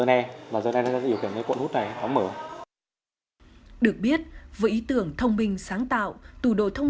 này nó sẽ điều kiểm cái cuộn nút này nó mở được biết với ý tưởng thông minh sáng tạo tủ đồ thông